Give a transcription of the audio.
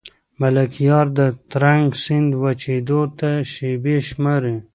ملکیار د ترنک سیند وچېدو ته شېبې شماري.